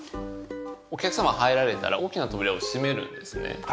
お客様が入られたら大きな扉を閉めるんですね。